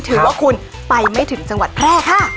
ถือว่าคุณไปไม่ถึงจังหวัดแพร่ค่ะ